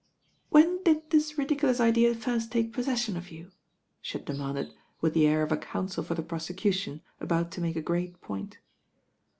"When did this ridiculous idea first take pos session of you?" she had demanded, with the air of a counsel for the prosecution about to make a great point.